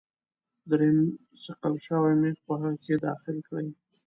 دریم صیقل شوی میخ په هغه کې داخل کړئ.